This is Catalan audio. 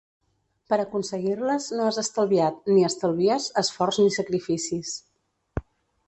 Per aconseguir-les no has estalviat –ni estalvies– esforç ni sacrificis.